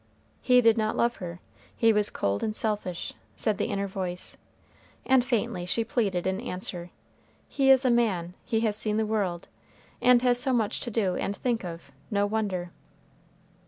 "He did not love her he was cold and selfish," said the inner voice. And faintly she pleaded, in answer, "He is a man he has seen the world and has so much to do and think of, no wonder."